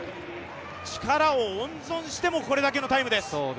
力を温存しても、これだけのタイムです。